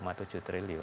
wah besar sekali ya